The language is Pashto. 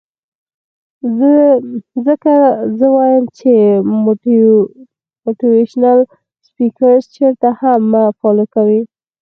ځکه زۀ وائم چې موټيوېشنل سپيکرز چرته هم مۀ فالو کوئ